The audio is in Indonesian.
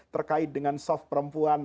terkait dengan soft perempuan